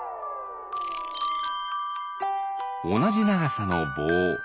おなじながさのぼう。